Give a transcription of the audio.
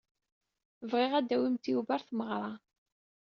Bɣiɣ ad tawimt Yuba ɣer tmeɣra.